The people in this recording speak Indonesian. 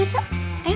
gak usah ketawain